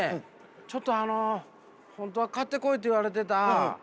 ちょっとあの本当は買ってこいって言われてた水。